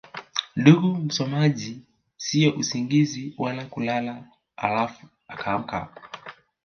ndugu msomaji siyo usingizi wa kulala alafu ukaamka